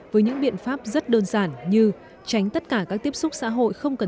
với những biện pháp rất đơn giản như tránh tất cả các tiếp xúc xã hội không cần